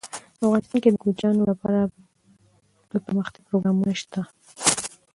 افغانستان کې د کوچیانو لپاره دپرمختیا پروګرامونه شته.